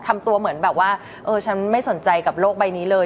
ทำตัวเหมือนแบบว่าเออฉันไม่สนใจกับโลกใบนี้เลย